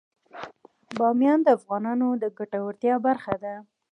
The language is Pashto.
بامیان د افغانانو د ګټورتیا برخه ده.